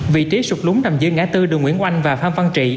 vị trí sụp lúng nằm dưới ngã tư đường nguyễn oanh và phan văn trị